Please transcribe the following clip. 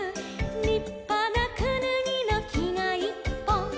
「りっぱなくぬぎのきがいっぽん」